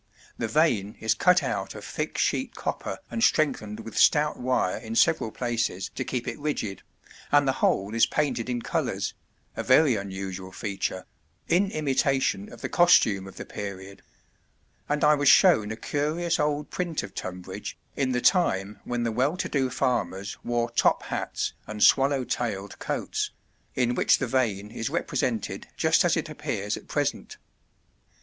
The vane is cut out of thick sheet copper and strengthened with stout wire in several places to keep it rigid, and the whole is painted in colours (a very unusual feature), in imitation of the costume of the period; and I was shown a curious old print of Tonbridge in the time when the well to do farmers wore top hats and swallow tailed coats, in which the vane is represented just as it appears at present.